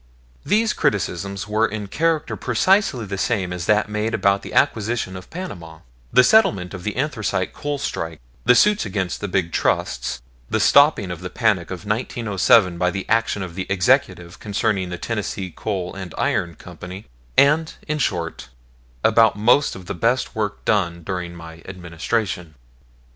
These criticisms were in character precisely the same as that made about the acquisition of Panama, the settlement of the anthracite coal strike, the suits against the big trusts, the stopping of the panic of 1907 by the action of the Executive concerning the Tennessee Coal and Iron Company; and, in short, about most of the best work done during my administration.